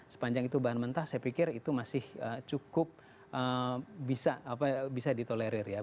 sepanjang itu bahan mentah saya pikir itu masih cukup bisa ditolerir ya